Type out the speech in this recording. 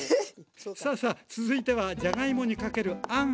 さあさあ続いてはじゃがいもにかけるあんをつくります。